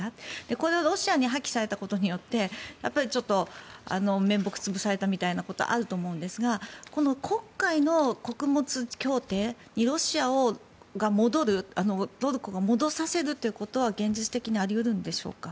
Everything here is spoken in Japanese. これをロシアに破棄されたことによってちょっと面目を潰されたみたいなことがあると思うんですが黒海の穀物協定にロシアが戻るトルコが戻させるということは現実的にあり得るんでしょうか。